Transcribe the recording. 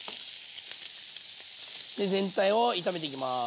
で全体を炒めていきます。